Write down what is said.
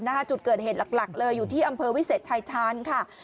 จุดเกิดเหตุหลักเลยอยู่ที่อำเภอวิเศษชายชาญค่ะ